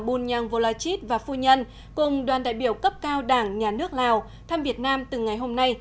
bunyang volachit và phu nhân cùng đoàn đại biểu cấp cao đảng nhà nước lào thăm việt nam từ ngày hôm nay